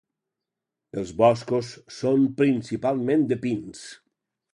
Els boscos són principalment de pins.